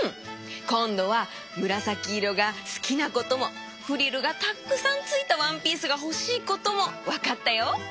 こんどはむらさきいろがすきなこともフリルがたっくさんついたワンピースがほしいこともわかったよ。